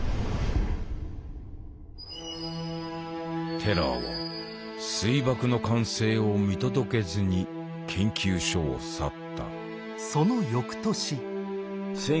テラーは水爆の完成を見届けずに研究所を去った。